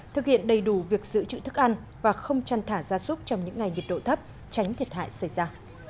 thực hiện đầy đủ việc giữ chữ thức ăn và không chăn thả ra súc trong những ngày nhiệt độ thấp tránh thiệt hại xảy ra